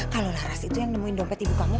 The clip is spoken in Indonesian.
kalau laras itu yang nemuin dompet ibu kamu